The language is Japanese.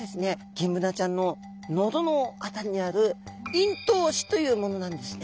ギンブナちゃんの喉の辺りにある咽頭歯というものなんですね。